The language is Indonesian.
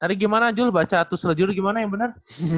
nanti gimana jul baca tusslejur gimana yang bener